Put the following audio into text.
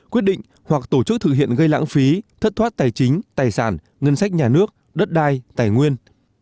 quyết định hoặc tổ chức thực hiện gây lãng phí thất thoát tài chính tài sản ngân sách nhà nước đất đai tài nguyên